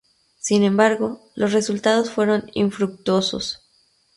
Sin embargo, los resultados fueron infructuosos.